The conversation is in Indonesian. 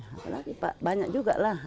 apalagi pak banyak juga lah